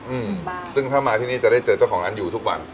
อืมซึ่งถ้ามาที่นี่จะได้เจอเจ้าของร้านอยู่ทุกวัน